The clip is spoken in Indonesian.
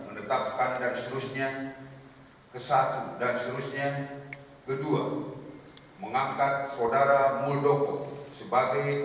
lalu kebangsaan indonesia baik